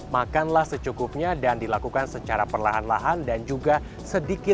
makanlah secukupnya dan dilakukan secara perlahan lahan dan juga sedikit